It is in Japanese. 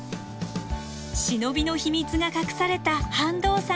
忍びの秘密が隠された飯道山。